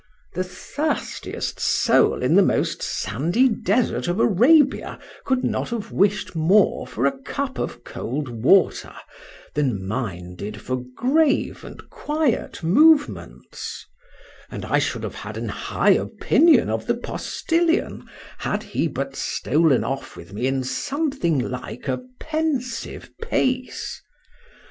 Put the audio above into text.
The thirstiest soul in the most sandy desert of Arabia could not have wished more for a cup of cold water, than mine did for grave and quiet movements; and I should have had an high opinion of the postilion had he but stolen off with me in something like a pensive pace.